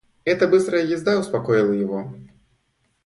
Эта быстрая езда успокоила его.